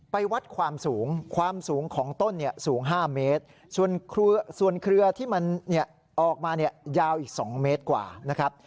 ไปวัดความสูงความสูงของต้นสูงห้าเมตรส่วนเครือที่มันออกมายาวอีกสองเมตรกว่านะครับ